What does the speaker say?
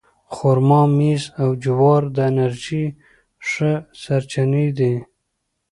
خرما، ممیز او جوار د انرژۍ ښه سرچینې دي.